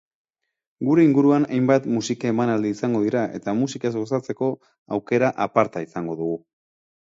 Gure inguruan hainbat musika-emanaldi izango dira eta musikaz gozatzeko aukera aparta izango dugu.